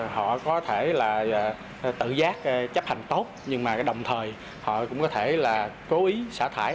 họ có thể tự giác chấp hành tốt nhưng đồng thời cũng có thể cố ý xả thải